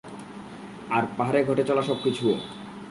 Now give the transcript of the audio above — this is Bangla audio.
আর, পাহাড়ে ঘটে চলা সবকিছুও!